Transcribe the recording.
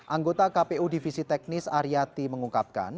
anggota kpu divisi teknis ariyati mengungkapkan